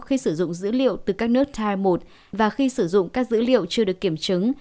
khi sử dụng dữ liệu từ các nước time một và khi sử dụng các dữ liệu chưa được kiểm chứng